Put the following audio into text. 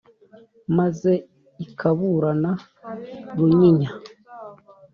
maze ikaburana runyinya